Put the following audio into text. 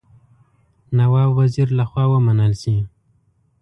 نواب وزیر له خوا ومنل شي.